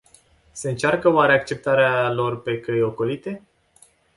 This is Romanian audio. Se încearcă oare acceptarea lor pe căi ocolite?